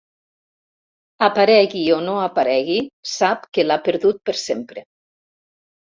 Aparegui o no aparegui, sap que l'ha perdut per sempre.